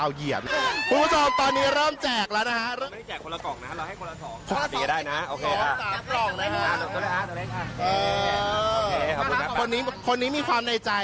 คนนี้มีความในใจพี่อาร์ดคนนี้มีความในใจ